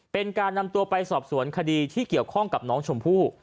เป็นการนำตัวไปสอบสวนคดีที่เกี่ยวข้องกับน้องชมพู่